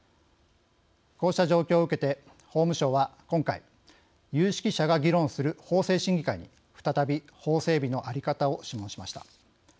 こうした状況を受けて法務省は今回有識者が議論する法制審議会に再び法整備の在り方を諮問しました。